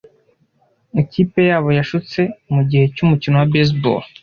Ikipe yabo yashutse mugihe cyumukino wa baseball.